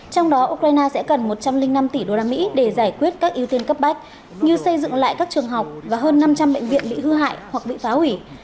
trong đó ukraine sẽ cần một trăm linh năm tỷ usd để giải quyết các ưu tiên cấp bách như xây dựng lại các trường học và hơn năm trăm linh bệnh viện bị hư hại hoặc bị phá hủy